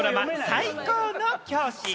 『最高の教師』。